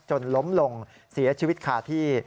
จนล้มลงเสียชีวิตคาที่